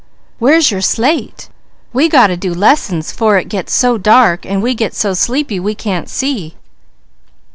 Where's your slate? We got to do lessons 'fore it gets so dark and we are so sleepy we can't see."